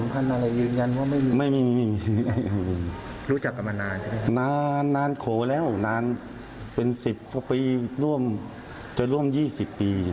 พางคลแล้วนานเป็น๑๐ปีร่วมจะร่วม๒๐ปี